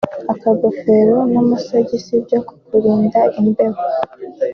akagofero n’amasogisi byo kururinda imbeho